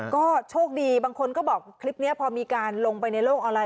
ก็โชคดีบางคนก็บอกคลิปนี้พอมีการลงไปในโลกออนไล